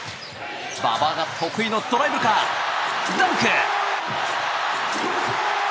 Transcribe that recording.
馬場が得意のドライブからダンク！